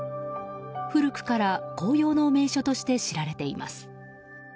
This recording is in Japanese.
古くから紅葉の名所として知られています。